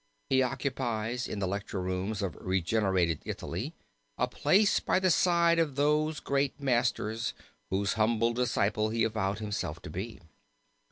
He occupies in the lecture rooms of regenerated Italy a place by the side of those great masters whose humble disciple he avowed himself to be.